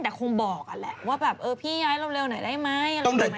แต่คงบอกอะแหละว่าแบบเออพี่ย้ายเร็วหน่อยได้ไหม